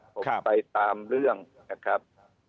ผมไปตามเรื่องนะครับ